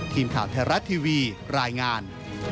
ทีมข่าวไทยรัฐทีวีรายงาน